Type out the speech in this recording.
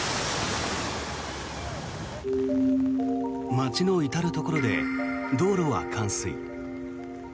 街の至るところで道路は冠水。